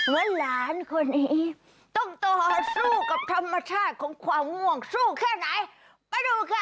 หลานคนนี้ต้องต่อสู้กับธรรมชาติของความง่วงสู้แค่ไหนไปดูค่ะ